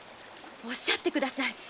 おっしゃってください！